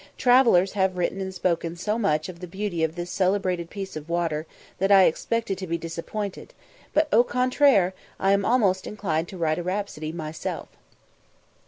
Travellers have written and spoken so much of the beauty of this celebrated piece of water, that I expected to be disappointed; but, au contraire, I am almost inclined to write a rhapsody myself.